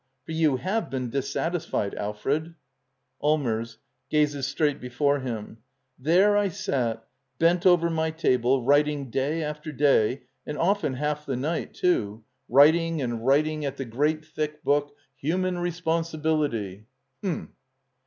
For you have been dissatisfied, Alfred. Allmers. [Gazes straight before him.] There I sat, bent over my table, writing day after day, and often half the night, too — writing and writing Digitized by VjOOQIC Act I. <^ LITTLE EYOLF at the great, thick book, " Human Responsibility/' H'm!